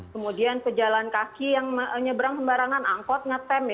kemudian ke jalan kaki yang menyeberang sembarangan angkot ngetem